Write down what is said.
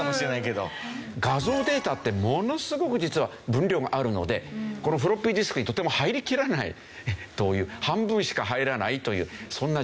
画像データってものすごく実は分量があるのでこのフロッピーディスクにとても入りきらないという半分しか入らないというそんな状態だという事で。